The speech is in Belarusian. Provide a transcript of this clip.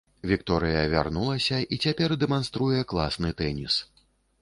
Вікторыя вярнулася, і цяпер дэманструе класны тэніс.